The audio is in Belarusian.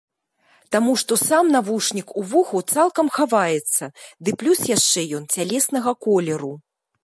Таму што сам навушнік у вуху цалкам хаваецца, ды плюс яшчэ ён цялеснага колеру.